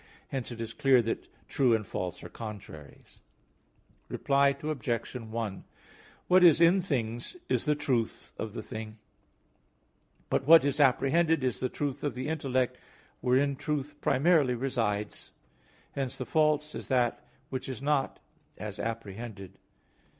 Hence it is clear that true and false are contraries. Reply Obj. 1: What is in things is the truth of the thing; but what is apprehended, is the truth of the intellect, wherein truth primarily resides. Hence the false is that which is not as apprehended.